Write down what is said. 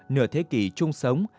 nửa thế kỷ chung sống